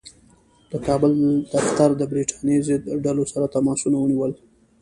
د کابل دفتر د برټانیې ضد ډلو سره تماسونه ونیول.